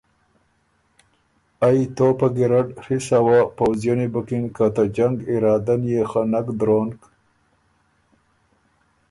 ائ توپهګیرډ ڒی سوه پؤځئنی بُکِن که ته جنګ ارادۀ ن يې خه نک درونک،